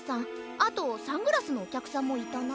あとサングラスのおきゃくさんもいたな。